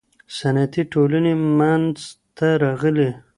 صنعتي ټولني منځ ته راغلې.